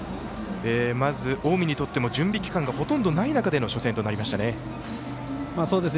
近江にとってもまず準備期間がほとんどない中での初戦となりましたね。